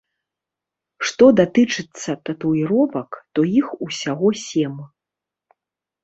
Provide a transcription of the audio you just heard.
Што датычыцца татуіровак, то іх усяго сем.